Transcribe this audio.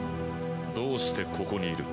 どうしてここにいる？